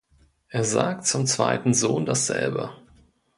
Er sagt zum zweiten Sohn dasselbe.